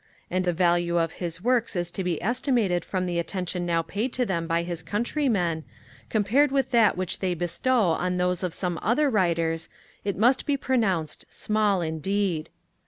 And if the value of his works is to be estimated from the attention now paid to them by his countrymen, compared with that which they bestow on those of some other writers, it must be pronounced small indeed.